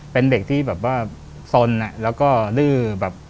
เป็นเด็กที่สนและก็ลื่อ